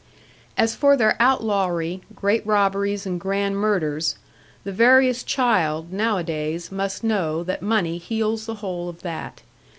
As for their outlawry, great robberies, and grand murders, the veriest child, nowadays, must know that money heals the whole of that.